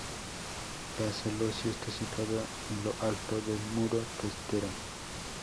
La celosía está situada en lo alto del muro testero.